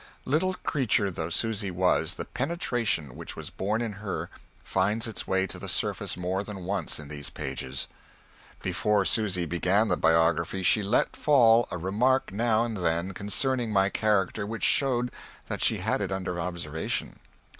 Little creature though Susy was, the penetration which was born in her finds its way to the surface more than once in these pages. Before Susy began the Biography she let fall a remark now and then concerning my character which showed that she had it under observation.